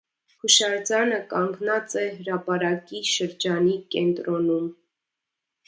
Հուշարձանը կանգնած է հրապարակի շրջանի կենտրոնում։